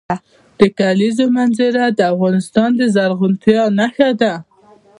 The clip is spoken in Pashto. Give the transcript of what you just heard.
د کلیزو منظره د افغانستان د زرغونتیا نښه ده.